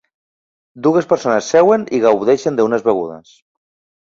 Dues persones seuen i gaudeixen d'unes begudes.